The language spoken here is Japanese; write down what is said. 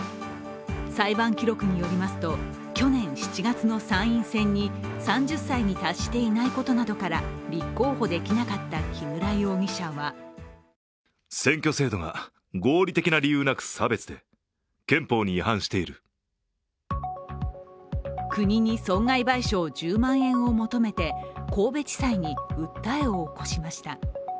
裁判記録によりますと去年７月の参院選に３０歳に達していないことなどから立候補できなかった木村容疑者は国に損害賠償１０万円を求めて神戸地裁に訴えを起こしました。